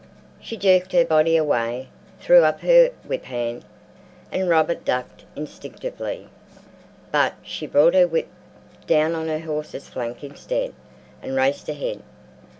She jerked her body away, threw up her whiphand, and Robert ducked instinctively; but she brought her whip down on her horse's flank instead, and raced ahead.